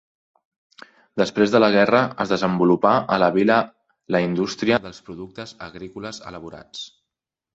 Després de la guerra es desenvolupà a la vila la indústria dels productes agrícoles elaborats.